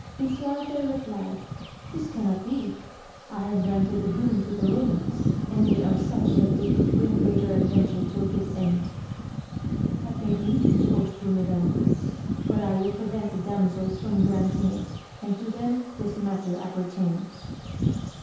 Lisu arte replied. This cannot be, I have granted the boon to the Eomans, and they are such that they could bring greater adventure to a good end. That may be, quoth Grumedan, but I will prevent the damsels from grant ing it, and to them this matter appertains.